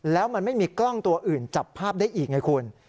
แล้วมันไม่มีกล้องตัวอื่นจับภาพได้อีกไงคุณ